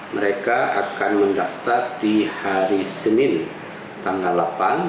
mereka akan mendaftar di hari senin tanggal delapan